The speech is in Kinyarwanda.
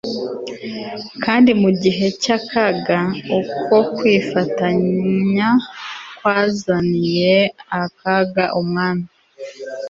kandi mu gihe cyakaga uko kwifatanya kwazaniye akaga umwami